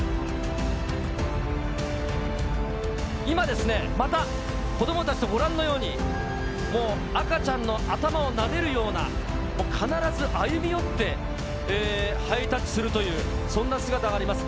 今ですね、また子どもたちとご覧のように、もう赤ちゃんの頭をなでるような、必ず歩み寄ってハイタッチするという、そんな姿があります。